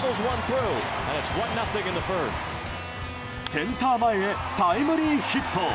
センター前へタイムリーヒット。